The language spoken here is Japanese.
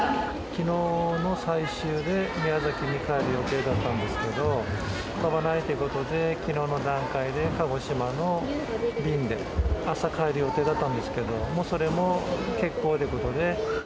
きのうの最終で宮崎に帰る予定だったんですけど、飛ばないということで、きのうの段階で鹿児島の便で、朝帰る予定だったんですけど、それも欠航ということで。